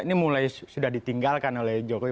ini mulai sudah ditinggalkan oleh jokowi